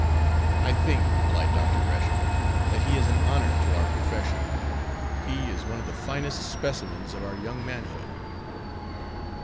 "I think," replied Dr. Gresham, "that he is an honor to our profession. He is one of the finest specimens of our young manhood."